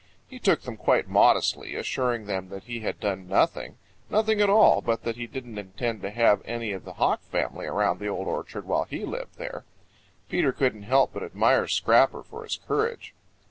He took them quite modestly, assuring them that he had done nothing, nothing at all, but that he didn't intend to have any of the Hawk family around the Old Orchard while he lived there. Peter couldn't help but admire Scrapper for his courage.